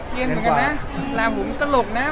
เยี่ยมเหมือนกันนะหลามผมตลกนะ